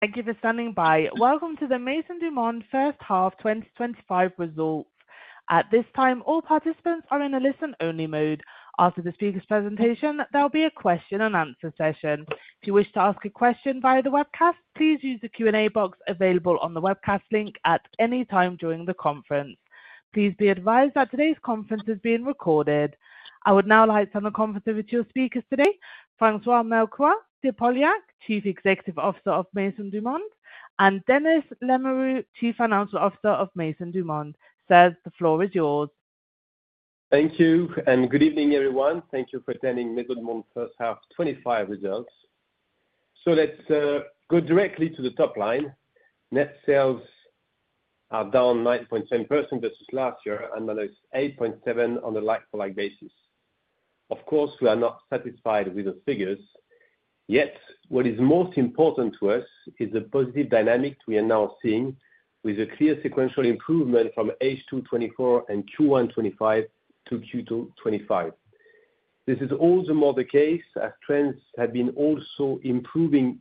Thank you for standing by. Welcome to the Maisons du Monde first half 2025 results. At this time, all participants are in a listen-only mode. After the speaker's presentation, there will be a question-and-answer session. If you wish to ask a question via the webcast, please use the Q&A box available on the webcast link at any time during the conference. Please be advised that today's conference is being recorded. I would now like to turn the conference over to your speakers today, François-Melchior de Polignac, Chief Executive Officer of Maisons du Monde, and Denis Lamoureux, Chief Financial Officer of Maisons du Monde. Sir, the floor is yours. Thank you, and good evening, everyone. Thank you for attending Maisons du Monde first half 2025 results. Let's go directly to the top line. Net sales are down 9.7% versus last year, and now it's 8.7% on a like-for-like basis. Of course, we are not satisfied with those figures. Yet, what is most important to us is the positive dynamic we are now seeing with a clear sequential improvement from H2 2024 and Q1 2025 to Q2 2025. This is all the more the case as trends have been also improving.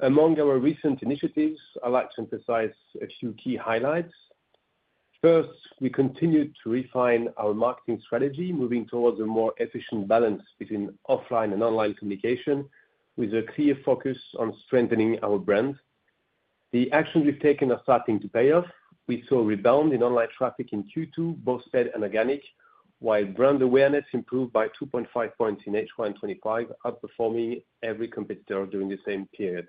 Among our recent initiatives, I'd like to emphasize a few key highlights. First, we continue to refine our marketing strategy, moving towards a more efficient balance between offline and online communication, with a clear focus on strengthening our brand. The actions we've taken are starting to pay off. We saw a rebound in online traffic in Q2, both paid and organic, while brand awareness improved by 2.5% in H1 2025, outperforming every competitor during the same period.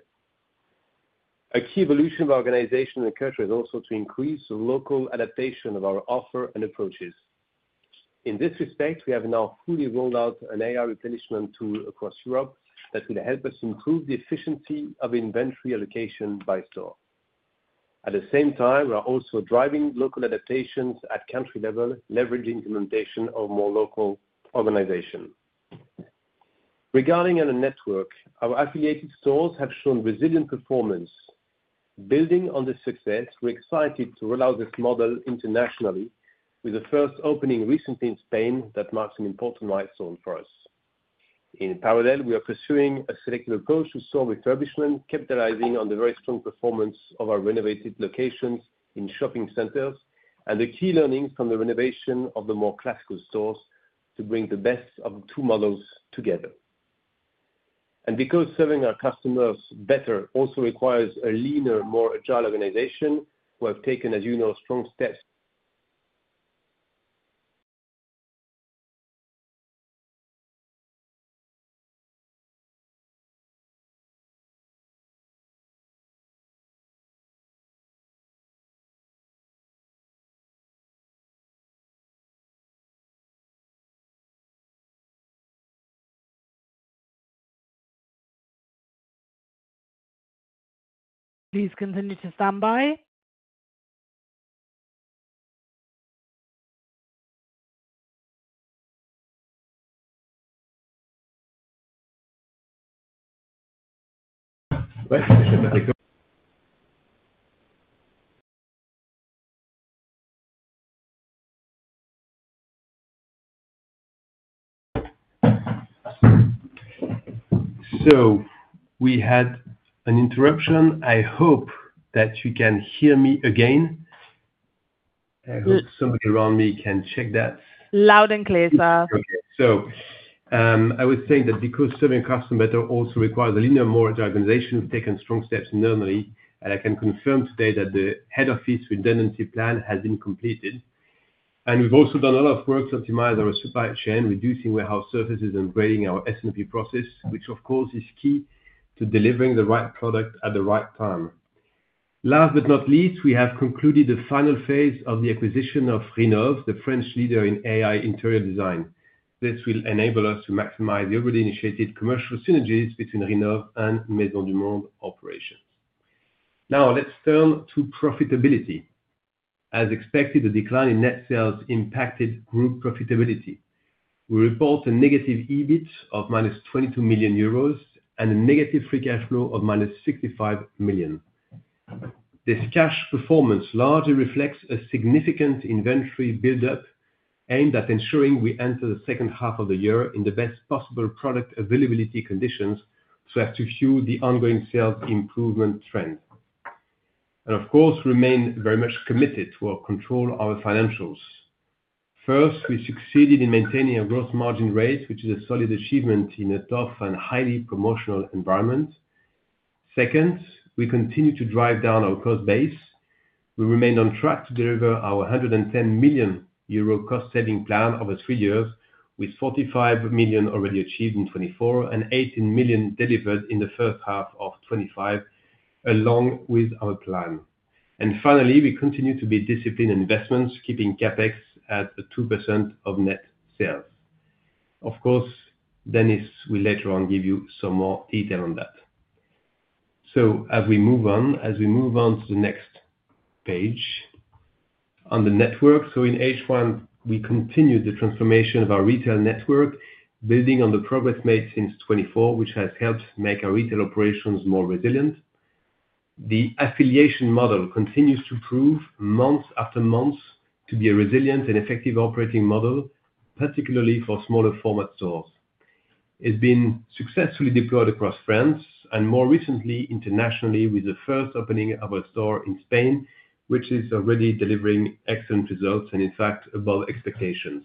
A key evolution of our organizational culture is also to increase the local adaptation of our offer and approaches. In this respect, we have now fully rolled out an AI replenishment tool across Europe that will help us improve the efficiency of inventory allocation by store. At the same time, we are also driving local adaptations at country level, leveraging implementation of more local organizations. Regarding our network, our affiliated stores have shown resilient performance. Building on this success, we're excited to roll out this model internationally, with the first opening recently in Spain that marks an important milestone for us. In parallel, we are pursuing a selective approach to store refurbishment, capitalizing on the very strong performance of our renovated locations in shopping centers and the key learnings from the renovation of the more classical stores to bring the best of the two models together. Because serving our customers better also requires a leaner, more agile organization, we have taken, as you know, strong steps. Please continue to stand by. We had an interruption. I hope that you can hear me again. I hope somebody around me can check that. Loud and clear, sir. Okay. I was saying that because serving customers better also requires a leaner, more agile organization, we've taken strong steps normally. I can confirm today that the head office redundancy plan has been completed. We've also done a lot of work to optimize our supply chain, reducing warehouse surfaces and upgrading our S&P process, which, of course, is key to delivering the right product at the right time. Last but not least, we have concluded the final phase of the acquisition of RENOVE, the French leader in AI interior design. This will enable us to maximize the already initiated commercial synergies between RENOVE and Maisons du Monde operations. Now, let's turn to profitability. As expected, the decline in net sales impacted group profitability. We report a negative EBIT of -22 million euros and a negative free cash flow of -65 million. This cash performance largely reflects a significant inventory buildup aimed at ensuring we enter the second half of the year in the best possible product availability conditions to fuel the ongoing sales improvement trend. Of course, we remain very much committed to our control of our financials. First, we succeeded in maintaining our gross margin rate, which is a solid achievement in a tough and highly promotional environment. Second, we continue to drive down our cost base. We remain on track to deliver our 110 million euro cost-saving plan over three years, with 45 million already achieved in 2024 and 18 million delivered in the first half of 2025, along with our plan. Finally, we continue to be disciplined in investments, keeping CAPEX at 2% of net sales. Of course, Denis will later on give you some more detail on that. As we move on to the next page on the network, in H1, we continue the transformation of our retail network, building on the progress made since 2024, which has helped make our retail operations more resilient. The affiliation store model continues to prove month after month to be a resilient and effective operating model, particularly for smaller format stores. It's been successfully deployed across France and more recently internationally, with the first opening of a store in Spain, which is already delivering excellent results and, in fact, above expectations.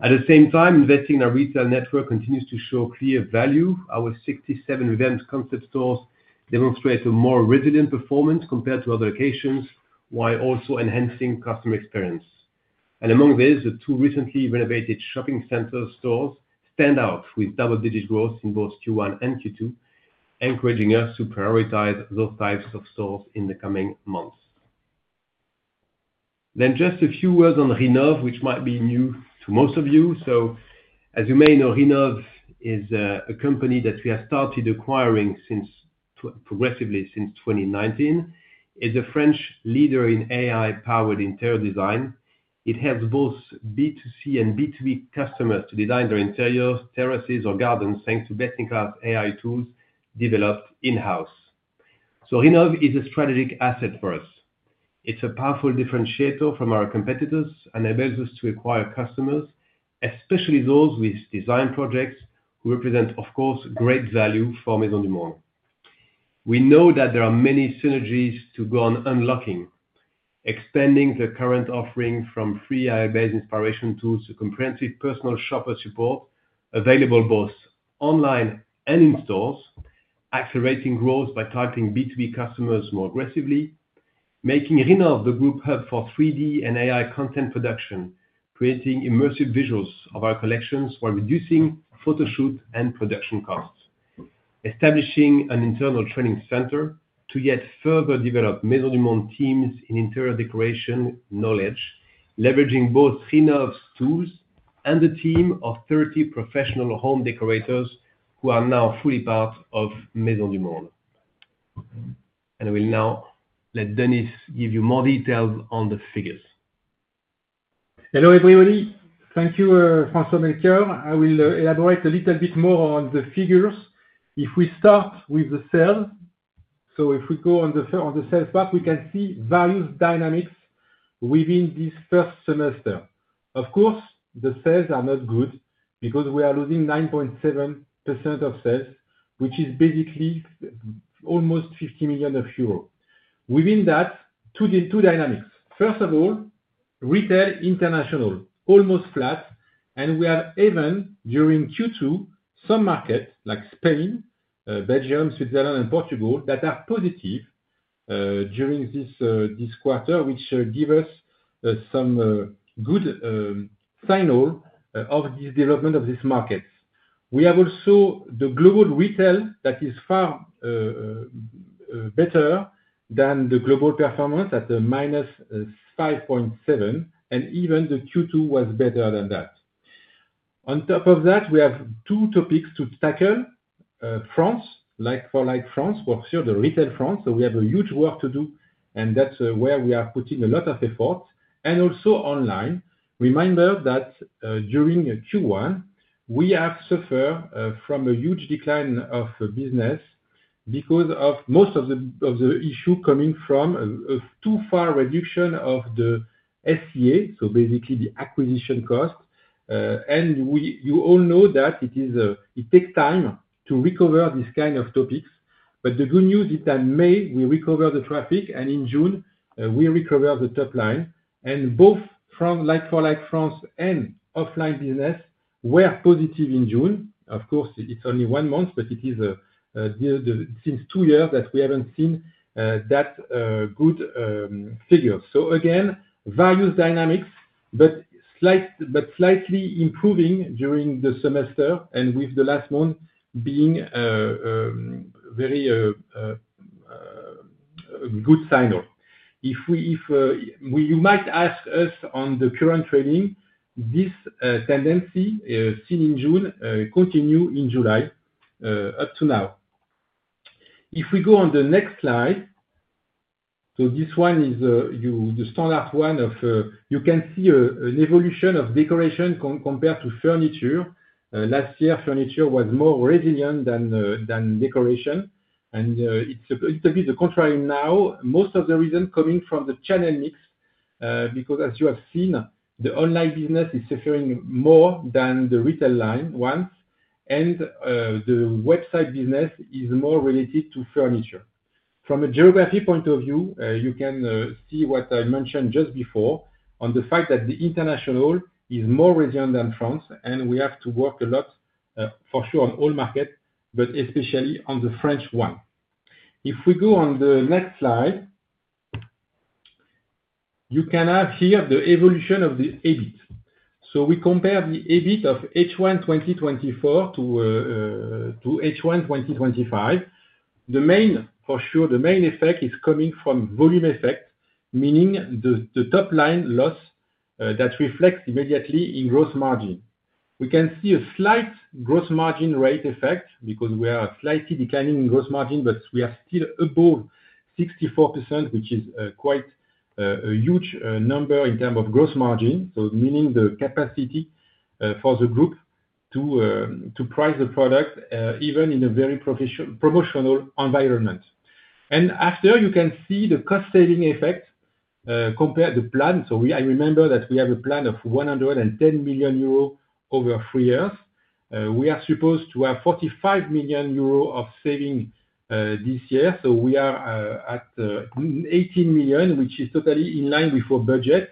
At the same time, investing in our retail network continues to show clear value. Our 67 revamped concept stores demonstrate a more resilient performance compared to other locations, while also enhancing customer experience. Among these, the two recently renovated shopping center stores stand out with double-digit growth in both Q1 and Q2, encouraging us to prioritize those types of stores in the coming months. A few words on RENOVE, which might be new to most of you. As you may know, RENOVE is a company that we have started acquiring progressively since 2019. It's a French leader in AI-powered interior design. It helps both B2C and B2B customers to design their interiors, terraces, or gardens, thanks to best-in-class AI tools developed in-house. RENOVE is a strategic asset for us. It's a powerful differentiator from our competitors and enables us to acquire customers, especially those with design projects who represent, of course, great value for Maisons du Monde. We know that there are many synergies to go on unlocking. Expanding the current offering from free AI-based inspiration tools to comprehensive personal shopper support available both online and in stores, accelerating growth by targeting B2B customers more aggressively, making RENOVE the group hub for 3D and AI content production, creating immersive visuals of our collections while reducing photoshoot and production costs. Establishing an internal training center to yet further develop Maisons du Monde teams in interior decoration knowledge, leveraging both RENOVE's tools and the team of 30 professional home decorators who are now fully part of Maisons du Monde. I will now let Denis give you more details on the figures. Hello, everybody. Thank you, François-Melchior. I will elaborate a little bit more on the figures. If we start with the sales, if we go on the sales map, we can see various dynamics within this first semester. Of course, the sales are not good because we are losing 9.7% of sales, which is basically almost 50 million euros. Within that, two dynamics. First of all, retail international, almost flat, and we have even, during Q2, some markets like Spain, Belgium, Switzerland, and Portugal that are positive during this quarter, which gives us some good signal of this development of this market. We have also the global retail that is far better than the global performance at the -5.7%, and even the Q2 was better than that. On top of that, we have two topics to tackle. France, like-for-like France, we're still the retail France, so we have a huge work to do, and that's where we are putting a lot of effort. Also online. Remember that during Q1, we have suffered from a huge decline of business because of most of the issues coming from a too far reduction of the SEA, so basically the acquisition cost. You all know that it takes time to recover these kinds of topics. The good news is that in May, we recover the traffic, and in June, we recover the top line. Both like-for-like France and offline business were positive in June. Of course, it's only one month, but it is, since two years that we haven't seen that good figure. Again, various dynamics, but slightly improving during the semester and with the last month being a very good signal. You might ask us on the current trading, this tendency seen in June continues in July, up to now. If we go on the next slide, this one is the standard one of, you can see, an evolution of decoration compared to furniture. Last year, furniture was more resilient than decoration. It's a bit the contrary now. Most of the reason coming from the channel mix, because as you have seen, the online business is suffering more than the retail line one, and the website business is more related to furniture. From a geography point of view, you can see what I mentioned just before on the fact that the international is more resilient than France, and we have to work a lot, for sure on all markets, but especially on the French one. If we go on the next slide, you can have here the evolution of the EBIT. We compare the EBIT of H1 2024 to H1 2025. The main, for sure, the main effect is coming from volume effect, meaning the top line loss, that reflects immediately in gross margin. We can see a slight gross margin rate effect because we are slightly declining in gross margin, but we are still above 64%, which is, quite, a huge number in terms of gross margin, so meaning the capacity for the group to price the product, even in a very promotional environment. After, you can see the cost-saving effect, compared to the plan. I remember that we have a plan of 110 million euros over three years. We are supposed to have 45 million euros of saving this year. We are at 18 million, which is totally in line with our budget.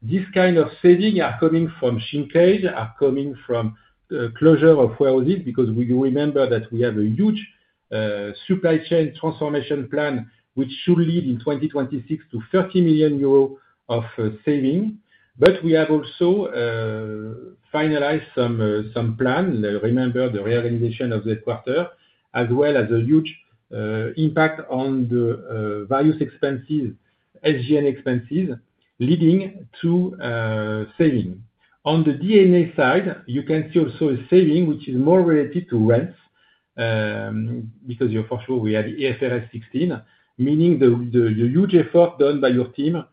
This kind of saving is coming from Shinpei and is coming from the closure of Wells because we do remember that we have a huge supply chain transformation plan, which should lead in 2026 to 30 million euros of saving. We have also finalized some plans. Remember the reorganization of the quarter, as well as a huge impact on the various expenses, SGN expenses, leading to saving. On the DNA side, you can see also a saving, which is more related to rents, because for sure we had the ESRS 16, meaning the huge effort done by your team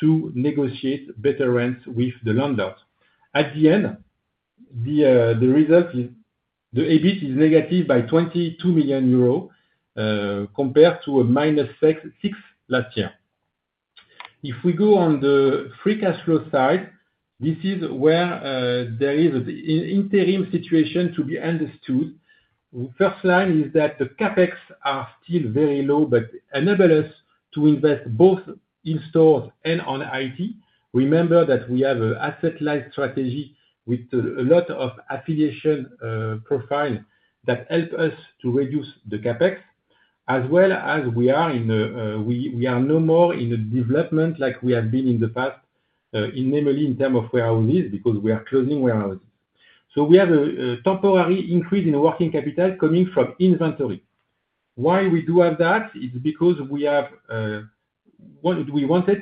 to negotiate better rents with the landlords. At the end, the result is the EBIT is negative by 22 million euros, compared to a -6% last year. If we go on the free cash flow side, this is where there is an interim situation to be understood. The first line is that the CAPEX is still very low, but enables us to invest both in stores and on IT. Remember that we have an asset-light strategy with a lot of affiliation profiles that help us to reduce the CAPEX, as well as we are no more in a development like we have been in the past, namely, in terms of warehouses because we are closing warehouses. We have a temporary increase in working capital coming from inventory. Why do we have that? It's because we have wanted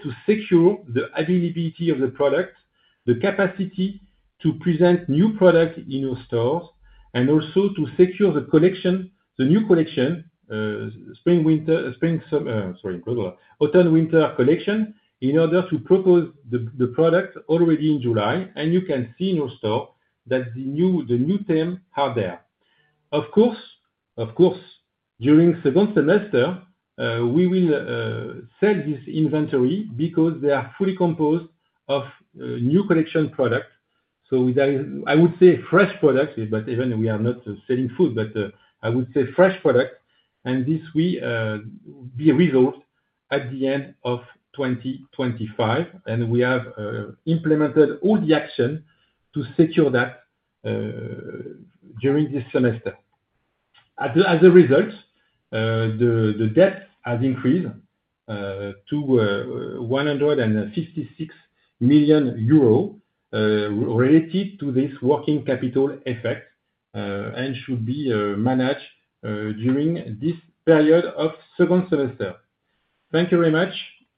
to secure the availability of the product, the capacity to present new products in your stores, and also to secure the collection, the new collection, spring, summer, sorry, autumn, winter collection in order to propose the product already in July. You can see in your store that the new, the new theme are there. Of course, during the seventh semester, we will sell this inventory because they are fully composed of new collection products. There is, I would say, a fresh product, but even though we are not selling food, I would say fresh product. This will be a result at the end of 2025. We have implemented all the action to secure that during this semester. As a result, the debt has increased to 156 million euros, related to this working capital effect, and should be managed during this period of the seventh semester. Thank you very much.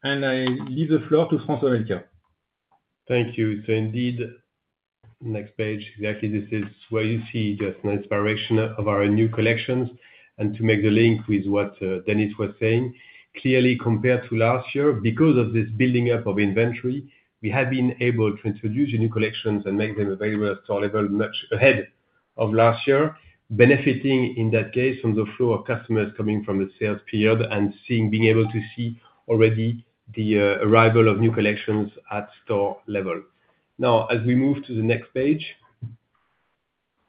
I leave the floor to François-Melchior. Thank you. Indeed, next page, exactly, this is where you see just an inspiration of our new collections. To make the link with what Denis was saying, clearly compared to last year, because of this building up of inventory, we have been able to introduce new collections and make them available at store level much ahead of last year, benefiting in that case from the flow of customers coming from the sales period and being able to see already the arrival of new collections at store level. Now, as we move to the next page,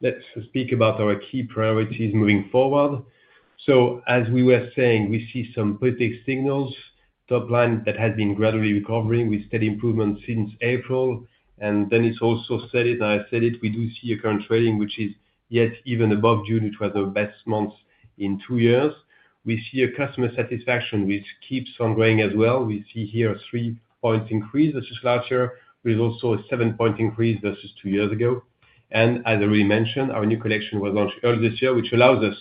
let's speak about our key priorities moving forward. As we were saying, we see some positive signals. Top line has been gradually recovering with steady improvements since April. Denis also said it, and I said it, we do see a current trading, which is yet even above June, which was the best month in two years. We see customer satisfaction, which keeps on growing as well. We see here a 3% increase versus last year. There's also a 7% increase versus two years ago. As I already mentioned, our new collection was launched early this year, which allows us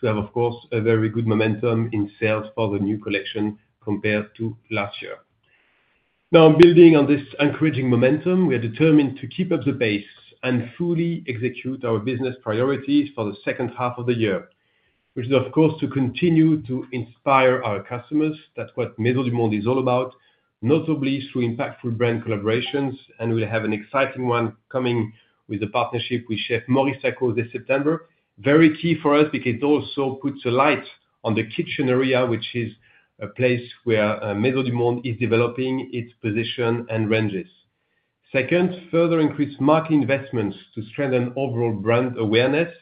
to have, of course, a very good momentum in sales for the new collection compared to last year. Now, building on this encouraging momentum, we are determined to keep up the pace and fully execute our business priorities for the second half of the year, which is, of course, to continue to inspire our customers. That's what Maisons du Monde is all about, notably through impactful brand collaborations. We have an exciting one coming with the partnership with Chef Maurice Sacco this September. Very key for us because it also puts a light on the kitchen area, which is a place where Maisons du Monde is developing its position and ranges. Second, further increase market investments to strengthen overall brand awareness.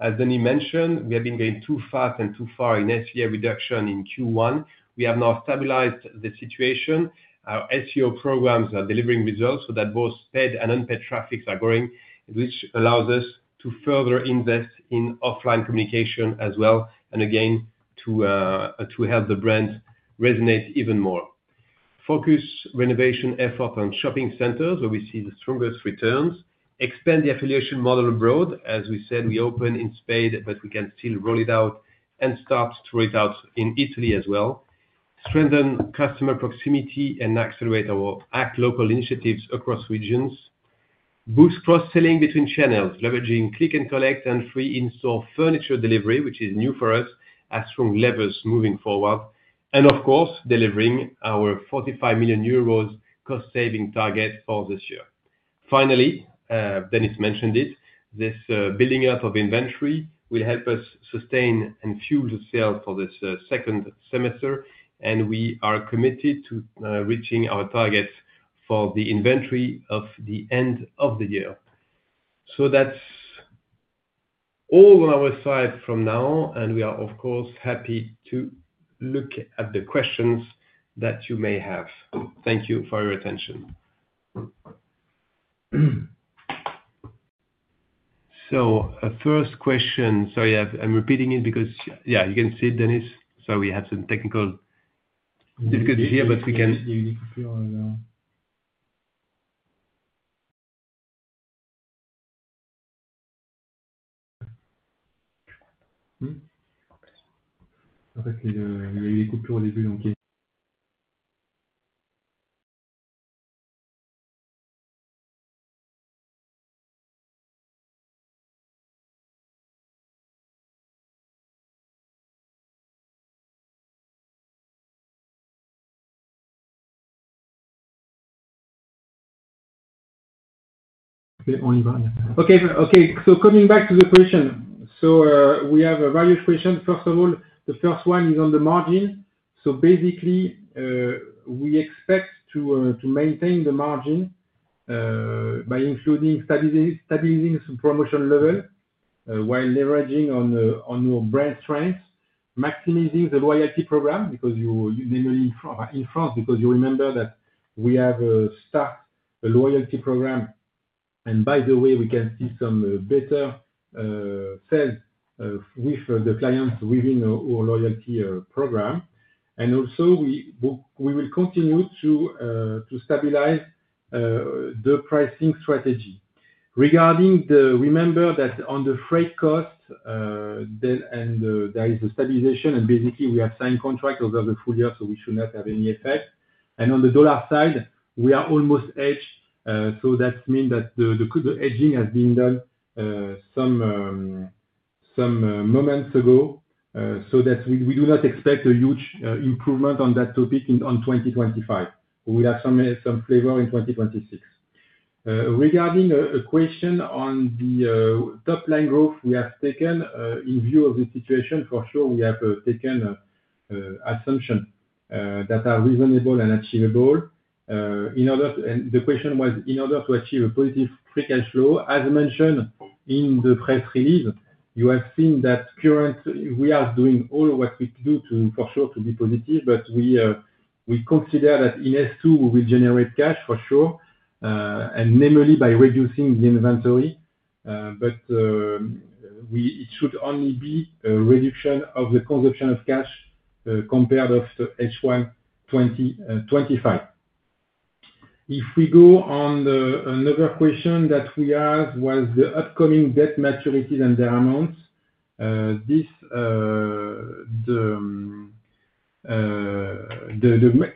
As Denis mentioned, we have been going too fast and too far in SEA reduction in Q1. We have now stabilized the situation. Our SEO programs are delivering results so that both paid and unpaid traffic are growing, which allows us to further invest in offline communication as well, and again, to help the brand resonate even more. Focus renovation effort on shopping centers where we see the strongest returns. Expand the affiliation store model abroad. As we said, we open in Spain, but we can still roll it out and start to roll it out in Italy as well. Strengthen customer proximity and accelerate our ACT local initiatives across regions. Boost cross-selling between channels, leveraging click and collect and free in-store furniture delivery, which is new for us, as strong levers moving forward. Of course, delivering our 45 million euros cost-saving target for this year. Finally, Denis mentioned it, this building up of inventory will help us sustain and fuel the sales for this second semester. We are committed to reaching our targets for the inventory at the end of the year. That's all on our side for now. We are, of course, happy to look at the questions that you may have. Thank you for your attention. First question. Sorry, I'm repeating it because, yeah, you can see it, Denis. Sorry, we had some technical difficulties here, but we can. Okay. Coming back to the position, we have various positions. First of all, the first one is on the margin. Basically, we expect to maintain the margin by stabilizing some promotion level while leveraging on your brand strengths, maximizing the loyalty program because you're in France, because you remember that we have a SA loyalty program. By the way, we can see some better sales with the clients within our loyalty program. Also, we will continue to stabilize the pricing strategy. Regarding the freight cost, there is a stabilization, and basically, we have signed contracts over the full year, so we should not have any effect. On the dollar side, we are almost hedged. That means that the hedging has been done some moments ago, so we do not expect a huge improvement on that topic in 2025. We will have some flavor in 2026. Regarding a question on the top line growth, we have taken, in view of the situation, for sure, we have taken assumptions that are reasonable and achievable. The question was in order to achieve a positive free cash flow. As mentioned in the press release, you have seen that currently, we are doing all of what we could do to, for sure, to be positive, but we consider that in S2, we will generate cash for sure, namely by reducing the inventory. It should only be a reduction of the consumption of cash compared to H1 2025. If we go on, another question that we asked was the upcoming debt maturities and their amounts. The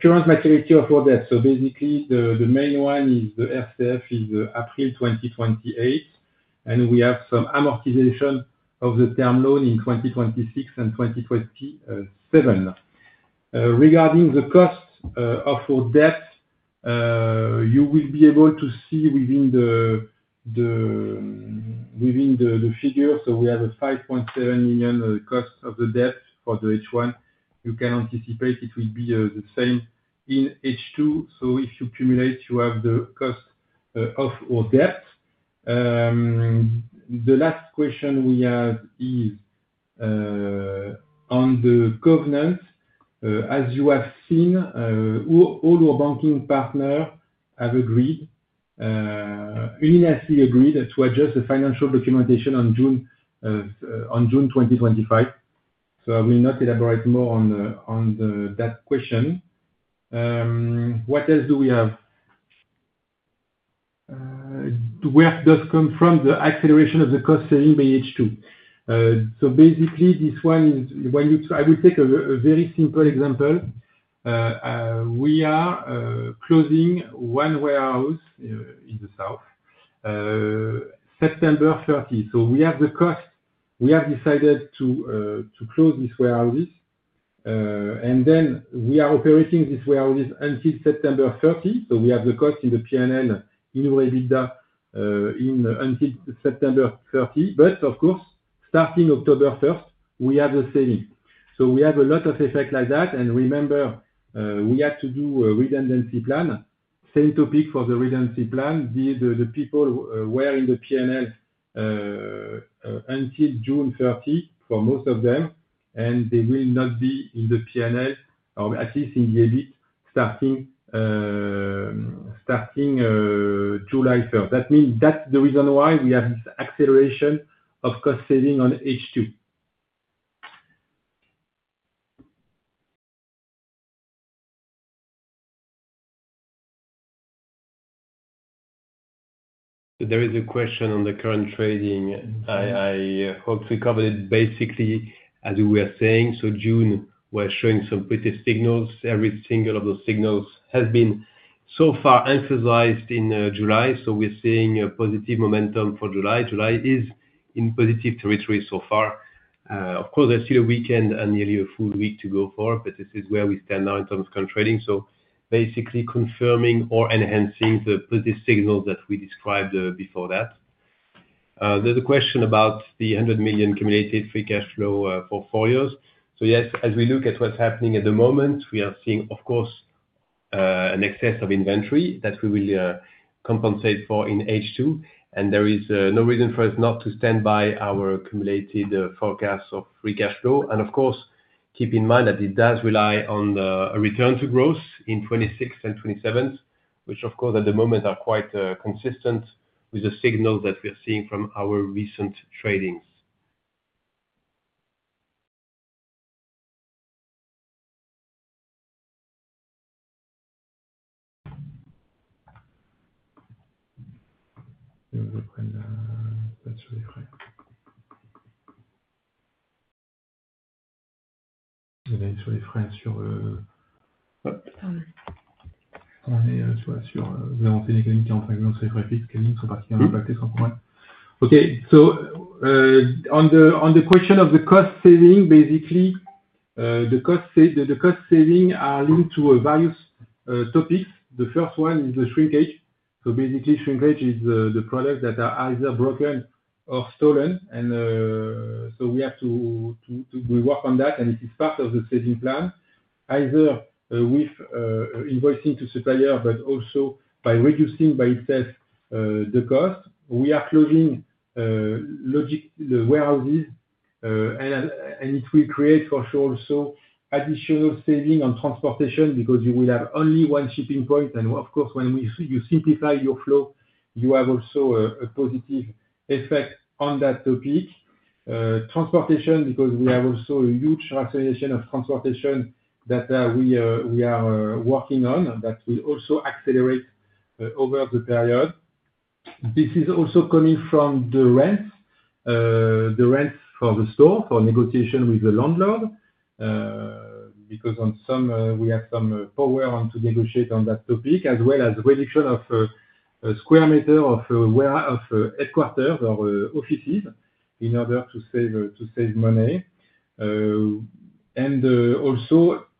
current maturity of our debt, basically, the main one is the FTF is April 2028, and we have some amortization of the term loan in 2026 and 2027. Regarding the cost of our debt, you will be able to see within the figure. We have a 5.7 million cost of the debt for the H1. You can anticipate it will be the same in H2. If you cumulate, you have the cost of our debt. The last question we have is on the covenant. As you have seen, all our banking partners have unanimously agreed to adjust the financial documentation in June 2025. I will not elaborate more on that question. What else do we have? The worth does come from the acceleration of the cost saving by H2. This one is when you, I will take a very simple example. We are closing one warehouse in the south, September 30. We have decided to close these warehouses, and we are operating these warehouses until September 30. We have the cost in the P&L, in revenue, until September 30. Of course, starting October 1, we have the saving. We have a lot of effect like that. Remember, we had to do a redundancy plan. Same topic for the redundancy plan. The people were in the P&L until June 30 for most of them, and they will not be in the P&L or at least in the EBIT starting July 1. That means that's the reason why we have this acceleration of cost saving on H2. There is a question on the current trading. I hope we covered it basically, as we were saying. June was showing some positive signals. Every single one of those signals has been so far emphasized in July. We're seeing a positive momentum for July. July is in positive territory so far. Of course, I see a weekend and nearly a full week to go forward, but this is where we stand out in terms of current trading. Basically confirming or enhancing the positive signals that we described before that. There's a question about the 100 million accumulated free cash flow portfolios. As we look at what's happening at the moment, we are seeing, of course, an excess of inventory that we will compensate for in H2. There is no reason for us not to stand by our accumulated forecasts of free cash flow. Of course, keep in mind that it does rely on a return to growth in 2026 and 2027, which, at the moment, are quite consistent with the signals that we're seeing from our recent tradings. Yes, on the costs. Yes, on the fixed costs, they are particularly impacted, no problem. Okay. On the question of the cost saving, basically, the cost saving is linked to various topics. The first one is the shrinkage. Basically, shrinkage is the products that are either broken or stolen. We have to work on that, and it is part of the saving plan, either with invoicing to suppliers, but also by reducing by itself, the cost. We are closing logic warehouses, and it will create, for sure, also additional saving on transportation because you will have only one shipping point. Of course, when you simplify your flow, you have also a positive effect on that topic. Transportation, because we have also a huge association of transportation that we are working on, that will also accelerate over the period. This is also coming from the rent, the rent for the store for negotiation with the landlord, because on some, we have some power to negotiate on that topic, as well as the reduction of square meters of headquarters or offices in order to save money. Also,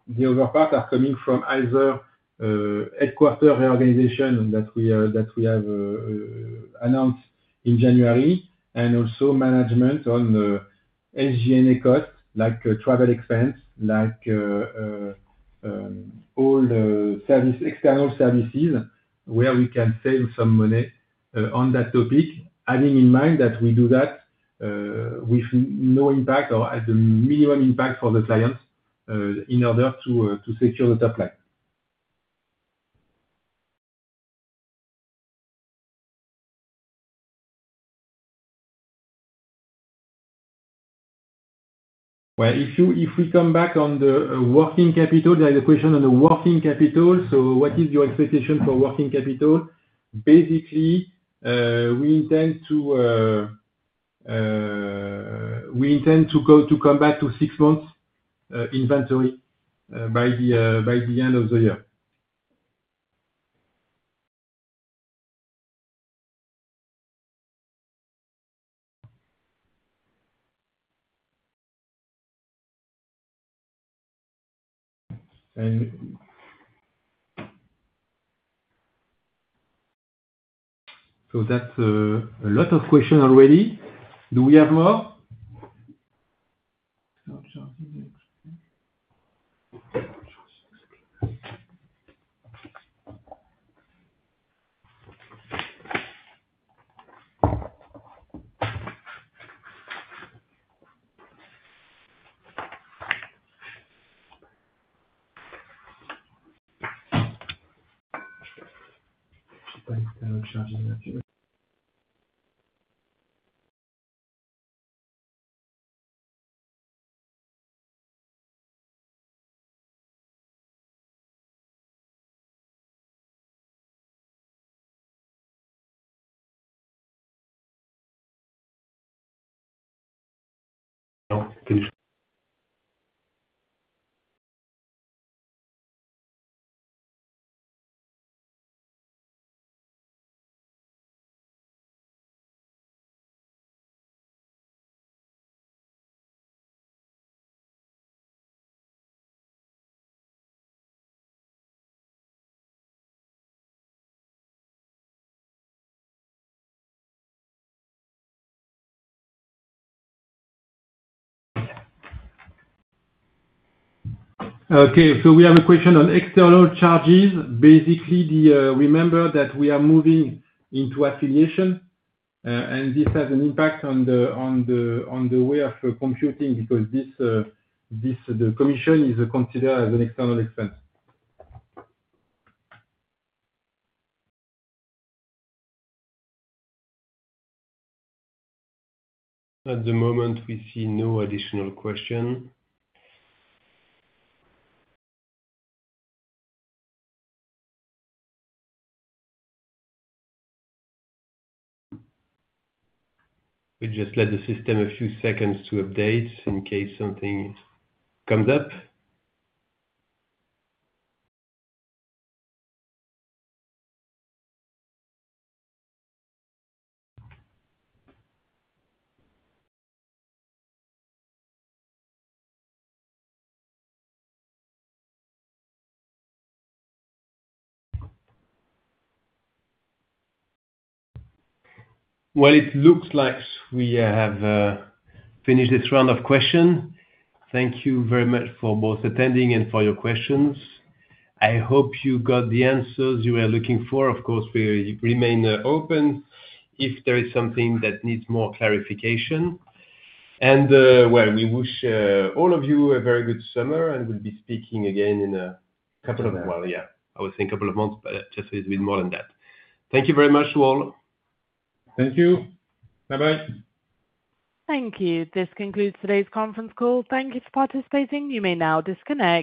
the other parts are coming from either head office reorganization that we have announced in January and also management on SGN cuts, travel expense, like all the external services where we can save some money on that topic, having in mind that we do that with no impact or at the minimum impact for the clients, in order to secure the top line. If you come back on the working capital, there is a question on the working capital. What is your expectation for working capital? Basically, we intend to come back to six months inventory by the end of the year. That's a lot of questions already. Do we have more? Okay. We have a question on external charges. Basically, remember that we are moving into affiliation, and this has an impact on the way of computing because the commission is considered as an external expense. At the moment, we see no additional question. We just let the system a few seconds to update in case something comes up. It looks like we have finished this round of questions. Thank you very much for both attending and for your questions. I hope you got the answers you were looking for. Of course, we remain open if there is something that needs more clarification. We wish all of you a very good summer and will be speaking again in a couple of months. I was saying a couple of months, but I just said it will be more than that. Thank you very much to all. Thank you. Bye-bye. Thank you. This concludes today's conference call. Thank you for participating. You may now disconnect.